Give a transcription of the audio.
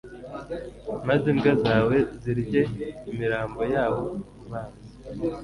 maze imbwa zawe zirye imirambo y’abo banzi»